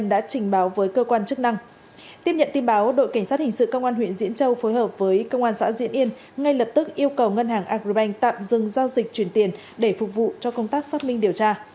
đội cảnh sát hình sự công an huyện diễn châu phối hợp với công an xã diện yên ngay lập tức yêu cầu ngân hàng agribank tạm dừng giao dịch truyền tiền để phục vụ cho công tác xác minh điều tra